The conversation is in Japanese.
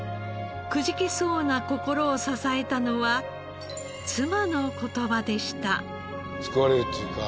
くじけそうな心を支えたのは妻の言葉でした。